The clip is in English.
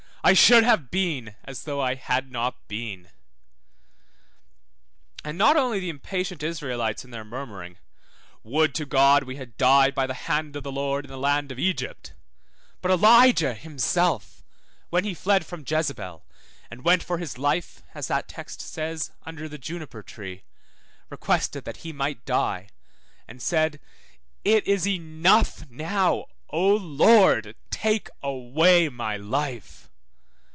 I should have been as though I had not been. 1414 Job 10:18, 19. And not only the impatient Israelites in their murmuring (would to God we had died by the hand of the Lord in the land of Egypt), 1515 Exod. 16:3. but Elijah himself, when he fled from Jezebel, and went for his life, as that text says, under the juniper tree, requested that he might die, and said, It is enough now, O Lord, take away my life.